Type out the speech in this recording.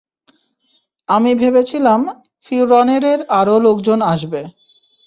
আমি ভেবেছিলাম ফিওরনেরের আরও লোকজন আসবে।